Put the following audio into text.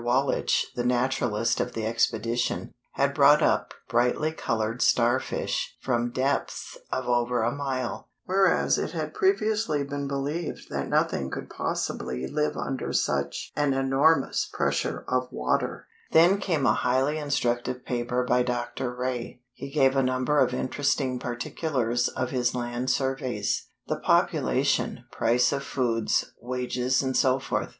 Wallich, the naturalist of the expedition, had brought up brightly colored starfish from depths of over a mile, whereas it had previously been believed that nothing could possibly live under such an enormous pressure of water. [Illustration: FIG. 33. The North Atlantic Exploring Expedition, 1860.] Then came a highly instructive paper by Dr. Rae. He gave a number of interesting particulars of his land surveys, the population, price of food, wages, etc.